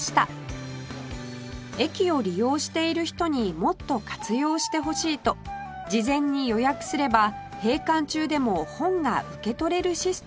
駅を利用している人にもっと活用してほしいと事前に予約すれば閉館中でも本が受け取れるシステムを導入